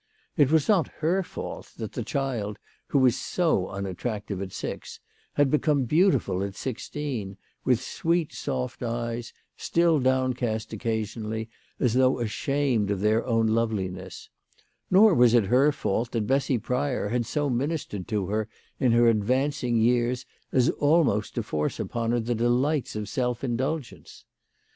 It was not her fault that the child, who was so unattractive at six, had become beautiful at sixteen, w r ith sweet soft eyes, still down cast occasionally, as though ashamed of their own loveliness ; nor was it her fault that Bessy Pryor had so ministered to her in her advancing years as almost to force upon her the delights of self indulgence.